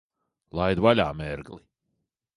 Laid vaļā, mērgli!